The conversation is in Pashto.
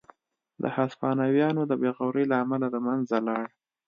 د هسپانویانو د بې غورۍ له امله له منځه لاړ.